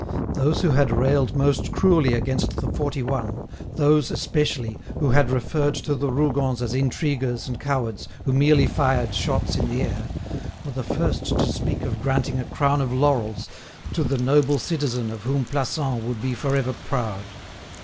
Those who had railed most cruelly against the forty one, those, especially, who had referred to the Rougons as intriguers and cowards who merely fired shots in the air, were the first to speak of granting a crown of laurels "to the noble citizen of whom Plassans would be for ever proud."